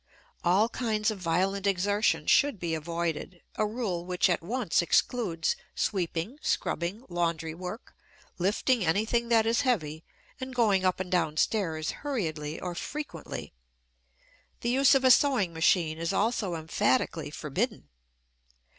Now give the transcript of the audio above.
All kinds of violent exertion should be avoided a rule which at once excludes sweeping, scrubbing, laundry work, lifting anything that is heavy, and going up and down stairs hurriedly or frequently. The use of a sewing machine is also emphatically forbidden.